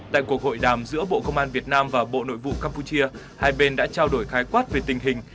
tại cuộc hội đàm giữa bộ công an việt nam và bộ nội vụ campuchia hai bên đã trao đổi khái quát về tình hình